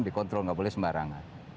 dikontrol nggak boleh sembarangan